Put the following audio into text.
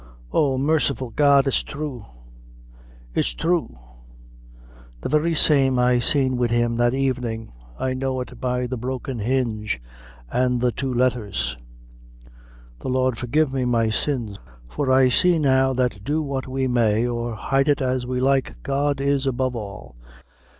Oh, merciful God, it's thrue! it's thrue! the very same I seen wid him that evenin': I know it by the broken hinge and the two letthers. The Lord forgive me my sins! for I see now that do what we may, or hide it as we like, God is above all!